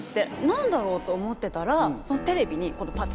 何だろうと思ってたらテレビに。